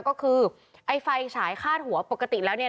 ก็คือไอ้ไฟฉายคาดหัวปกติแล้วเนี่ย